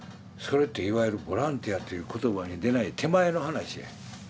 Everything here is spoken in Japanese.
それっていわゆるボランティアという言葉に出ない手前の話やん。